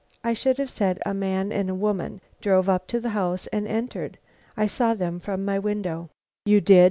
I should have said a man and a woman drove up to the house and entered. I saw them from my window." "You did?"